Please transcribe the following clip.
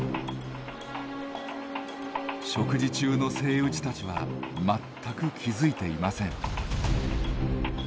食事中のセイウチたちは全く気付いていません。